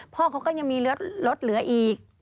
พ่อเขาก็ยังมีรถเหลืออีก